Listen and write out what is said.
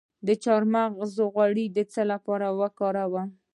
د چارمغز غوړي د څه لپاره وکاروم؟